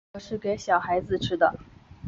这个是给小孩吃的